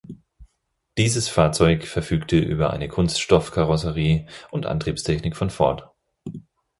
Dieses Fahrzeug verfügte über eine Kunststoffkarosserie und Antriebstechnik von Ford.